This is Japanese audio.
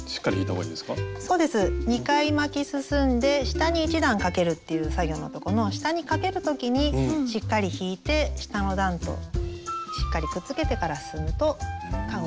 そうです２回巻き進んで下に１段かけるっていう作業のとこの下にかける時にしっかり引いて下の段としっかりくっつけてから進むとかごがしっかり出来上がります。